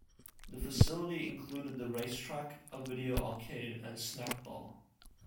The facility included the racetrack, a video arcade and snackbar.